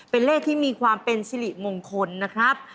เป็นเลขที่มีความเป็นสิริมงคลนะครับ